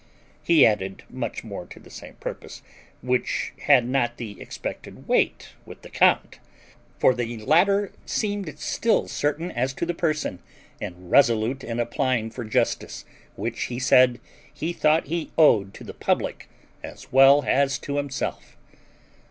He added much more to the same purpose, which had not the expected weight with the count; for the latter seemed still certain as to the person, and resolute in applying for justice, which, he said, he thought he owed to the public as well as to himself.